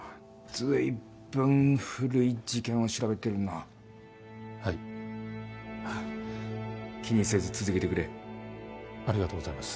随分古い事件を調べてるなはい気にせず続けてくれありがとうございます